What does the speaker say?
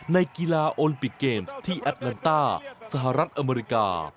ในกีฬาโอลิมปิกเกมส์ที่แอดลันต้าสหรัฐอเมริกา